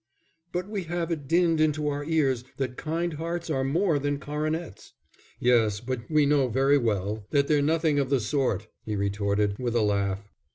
"But we have it dinned into our ears that kind hearts are more than coronets." "Yes, but we know very well that they're nothing of the sort," he retorted, with a laugh.